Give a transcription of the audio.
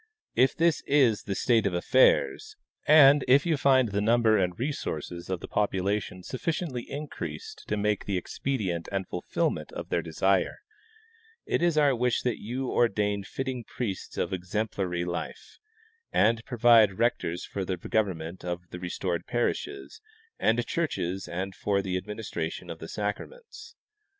If this is the state of affairs, and if you find the number and resources of tlie population sufficiently increased to make expedient the fulfillment of their desire, it is our wish that you ordain fitting priests of exemplary life, and provide rectors for the government of the restored parishes and churches and for the administration of the sacraments.